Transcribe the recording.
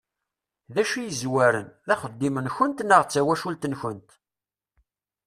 D acu i yezwaren, d axeddim-nkent neɣ d tawacult-nkent?